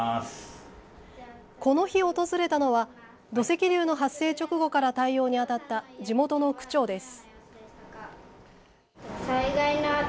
この日、訪れたのは土石流の発生直後から対応に当たった地元の区長です。